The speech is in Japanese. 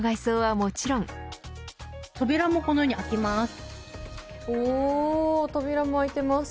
扉もこのように開きます。